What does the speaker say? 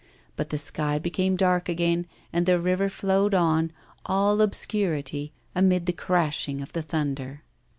But the sky became dark again, and the river flowed on, all obscurity, amid the crashing of the thunder.